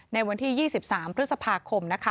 ในวันที่๒๓พฤษภาคมนะคะ